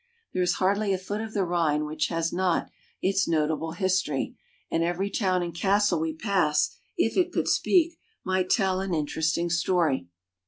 There is hardly a foot of the Rhine which has not its notable history, and every town and castle we pass, if it could speak, might tell an interesting story.